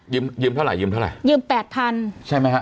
ยืมยืมเท่าไหิมเท่าไหรยืมแปดพันใช่ไหมฮะ